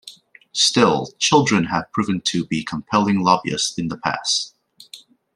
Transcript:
Still, children have proven to be compelling lobbyists in the past.